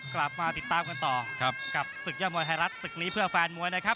กลับมาติดตามกันต่อกับศึกยอดมวยไทยรัฐศึกนี้เพื่อแฟนมวยนะครับ